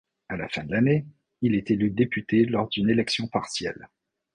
À la fin de l'année, il est élu député lors d'une élection partielle.